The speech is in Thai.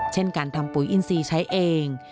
เช่นการทำปุ๋ยอินซีใช้เอง